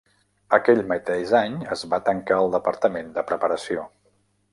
Aquell mateix any es va tancar el departament de preparació.